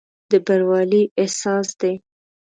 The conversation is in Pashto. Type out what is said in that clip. دا بروالي احساس دی.